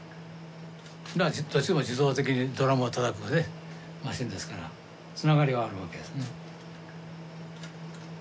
だからどっちも自動的にドラムをたたくマシンですからつながりはあるわけですね。